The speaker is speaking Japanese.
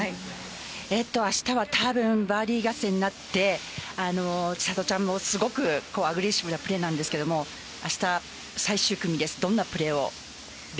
明日は多分バーディー合戦になって千怜ちゃんもすごくアグレッシブなプレーなんですが明日、最終組です。